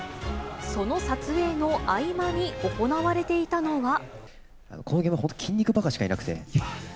その撮影の合間に行われていたのこの現場、本当に筋肉バカしかいなくて。